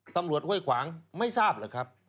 ตำรวจเว่ยขวางไม่ทราบหรือครับ